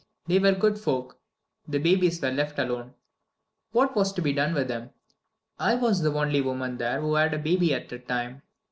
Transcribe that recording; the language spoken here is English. They were good folk. The babies were left alone. What was to be done with them? I was the only woman there who had a baby at the time.